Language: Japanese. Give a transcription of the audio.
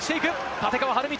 立川理道。